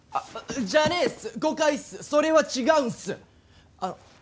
じゃねえっす誤解っすそれは違うっす！